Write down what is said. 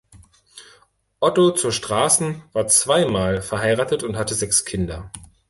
Otto zur Strassen war zweimal verheiratet und hatte sechs Kinder.